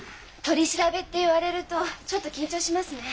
「取り調べ」って言われるとちょっと緊張しますね。